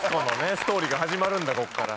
ストーリーが始まるんだこっから。